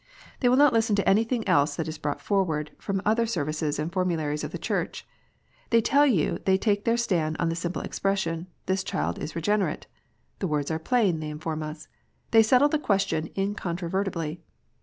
They will not listen to anything else that is brought forward from other Services and formularies of the Church. They tell you they take their stand on the simple expression, " This child is regenerate." The words are plain, they inform us ! They settle the question incontrovertibly